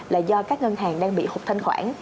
là do các ngân hàng đang bị hụt thanh khoản